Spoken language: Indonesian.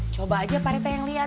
coba aja pak rite yang lihat